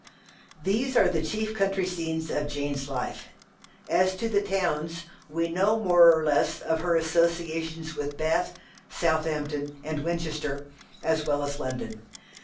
These are the chief country scenes of Jane's life. As to the towns, we know more or less of her associations with Bath, Southampton, and Winchester, as well as London.